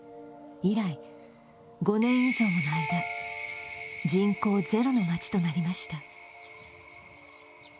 以来、５年以上もの間、人口ゼロの町となりました。